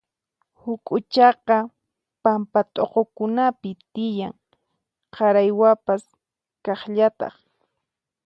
Huk'uchaqa pampa t'uqukunapi tiyan, qaraywapas kaqllataq.